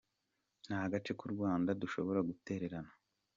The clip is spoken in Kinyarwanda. Nta gace k’u Rwanda dushobora gutererana.